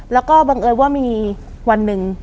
แล้วก็บังเอิญว่ามีวันหนึ่ง